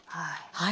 はい。